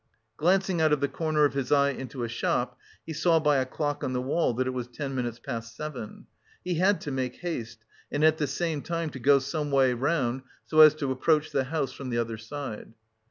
Glancing out of the corner of his eye into a shop, he saw by a clock on the wall that it was ten minutes past seven. He had to make haste and at the same time to go someway round, so as to approach the house from the other side....